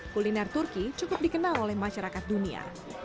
kuliner turki cukup dikenal oleh masyarakat dunia